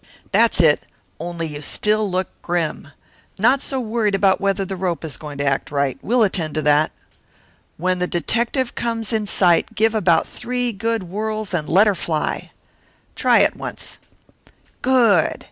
That's it only you still look grim not so worried about whether the rope is going to act right. We'll attend to that. When the detective comes in sight give about three good whirls and let her fly. Try it once. Good!